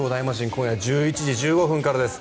今夜１１時１５分からです。